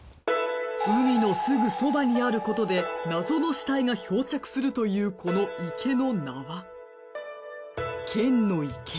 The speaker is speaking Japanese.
海のすぐそばにあることで謎の死体が漂着するというこの池の名は剣の池。